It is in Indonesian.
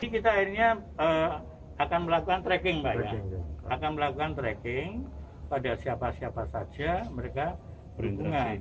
kita akhirnya akan melakukan tracking pada siapa siapa saja mereka berhubungan